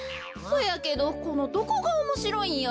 そやけどこのどこがおもしろいんや？